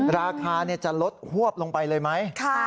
ราคาเนี่ยจะลดหวบลงไปเลยไหมค่ะ